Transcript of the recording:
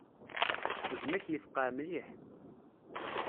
Gma-k yefqeɛ mliḥ.